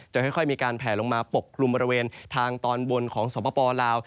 ค่อยมีการแผลลงมาปกกลุ่มบริเวณทางตอนบนของสปลาว